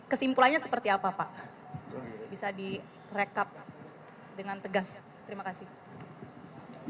kesimpulannya seperti apa pak bisa direkap dengan tegas terima kasih